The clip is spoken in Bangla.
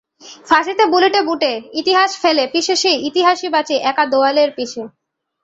ফাঁসিতে বুলেটে বুটে ইতিহাস ফ্যালে পিষে সেই ইতিহাসই বাঁচে একা দোয়েলের শিসে।